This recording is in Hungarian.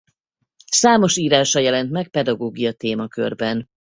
Számos írása jelent meg pedagógia témakörben.